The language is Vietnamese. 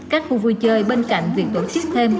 các khu vui chơi bên cạnh việc tổ chức thêm